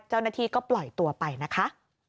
เจ้าหน้าที่ก็ปล่อยตัวไปนะคะ